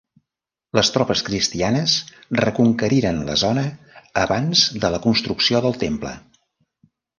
Les tropes cristianes reconqueriren la zona abans de la construcció del temple.